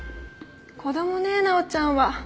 子供ね奈緒ちゃんは。